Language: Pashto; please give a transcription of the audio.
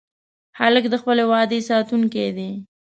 هلک د خپلې وعدې ساتونکی دی.